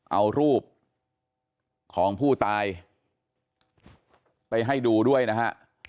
เอารูปของผู้ตายไปให้ดูด้วยนะฮะ